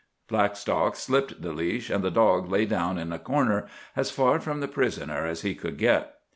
Blackstock slipped the leash, and the dog lay down in a corner, as far from the prisoner as he could get.